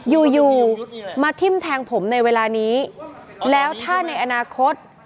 อยู่อยู่มาทิ้มแทงผมในเวลานี้แล้วถ้าในอนาคต